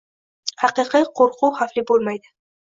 Haqiqiy qoʻrquv xavfli boʻlmaydi.